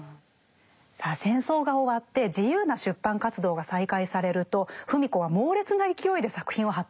さあ戦争が終わって自由な出版活動が再開されると芙美子は猛烈な勢いで作品を発表していきました。